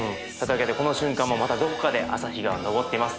この瞬間もまたどこかで朝日が昇っています。